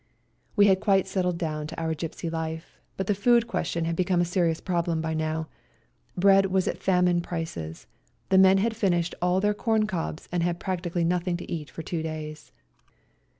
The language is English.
We had quite settled down to our gipsy life, but the food question had become a serious problem by now ; bread was at famine prices, the men had finished all their corn cobs and had had practically nothing to eat for two days.